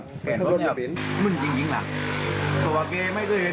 มึงยิงหลักเค้าว่าเจ๊ไม่เคยเป็นแม่แต่ไอ้หน่ายได้เคลือง